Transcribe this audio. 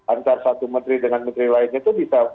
antara satu menteri dengan menteri lainnya itu bisa